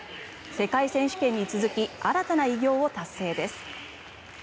世界選手権に続き新たな偉業を達成です。